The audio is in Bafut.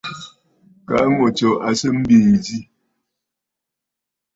Kaa ŋù tsù à sɨ mbìì zî.